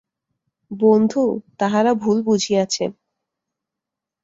বন্ধু, তাহারা ভুল বুঝিয়াছে।